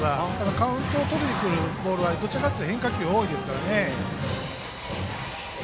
カウントをとりにいくボールはどちらかというと変化球が多いですからね。